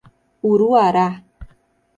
Uruará